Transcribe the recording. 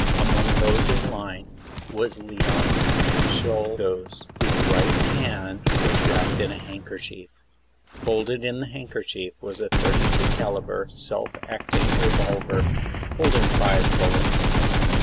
Among those in line was Leon Czolgosz, whose right hand was wrapped in a handkerchief. Folded in the handkerchief was a 32 caliber self acting revolver holding five bullets.